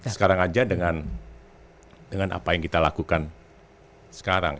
sekarang aja dengan apa yang kita lakukan sekarang